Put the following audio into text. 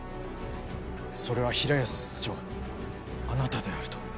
それは平安室長あなたであると。